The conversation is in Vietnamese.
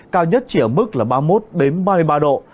cao nhất chỉ ở mức là ba mươi một ba mươi ba độ